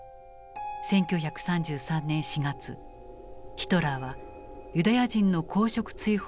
１９３３年４月ヒトラーは「ユダヤ人の公職追放」を決定した。